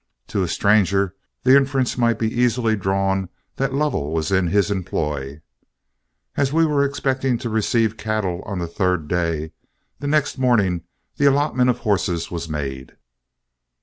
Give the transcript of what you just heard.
To a stranger the inference might be easily drawn that Lovell was in his employ. As we were expecting to receive cattle on the third day, the next morning the allotment of horses was made.